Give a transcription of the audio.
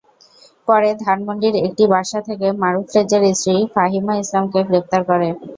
পরে ধানমন্ডির একটি বাসা থেকে মারুফ রেজার স্ত্রী ফাহিমা ইসলামকে গ্রেপ্তার করে।